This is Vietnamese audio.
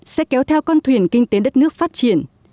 sẽ kéo theo con thuyền kinh tế đất nước phát triển